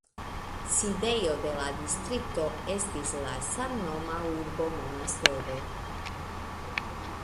Sidejo de la distrikto estis la samnoma urbo Monastero.